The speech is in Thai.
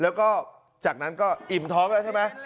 แล้วก็จากนั้นก็อิ่มท้องแล้วใช่ไหม